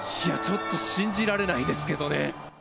ちょっと信じられないですけどね。